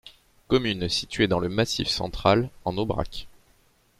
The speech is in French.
Commune située dans le Massif central, en Aubrac.